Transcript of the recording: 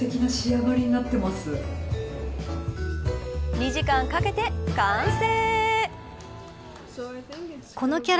２時間かけて完成。